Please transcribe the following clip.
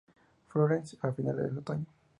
Florece a finales del otoño.